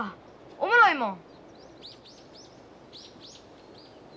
おもろいもん。